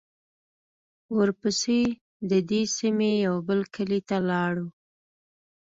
ورپسې د دې سیمې یوه بل کلي ته لاړو.